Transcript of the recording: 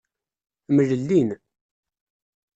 Mlellin.